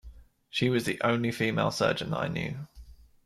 She was the only female surgeon that I knew.